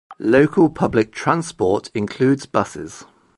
Local public transport includes buses.